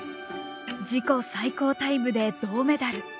自己最高タイムで銅メダル。